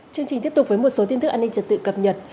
chương trình tiếp tục với một số tin tức an ninh trật tự cập nhật